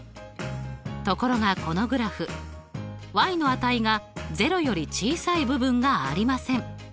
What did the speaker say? ところがこのグラフの値が０より小さい部分がありません。